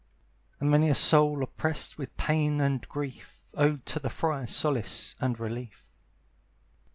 And many a soul, oppressed with pain and grief, Owed to the friar solace and relief.